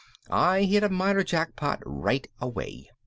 I hit a minor jackpot right away.